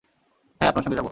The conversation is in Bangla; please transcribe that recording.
হ্যাঁ, আপনার সঙ্গে যাব।